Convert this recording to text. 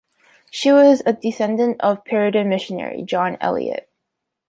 She was a descendant of Puritan missionary John Eliot.